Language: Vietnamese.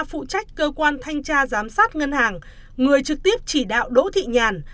phụ trách cơ quan thanh tra giám sát ngân hàng người trực tiếp chỉ đạo đỗ thị nhàn